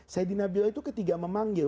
sayyidina bila itu ketika memanggil